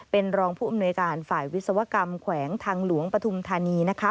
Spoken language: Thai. เป็นรองผู้อำนวยการฝ่ายวิศวกรรมแขวงทางหลวงปฐุมธานีนะคะ